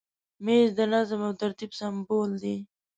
مېز د نظم او ترتیب سمبول دی.